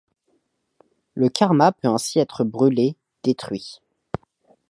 Le karma peut ainsi être bruler, détruit.